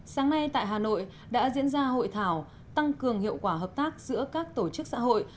sáng nay tại hà nội đã diễn ra hội thảo tăng cường hiệu quả hợp tác giữa các tổ chức xã hội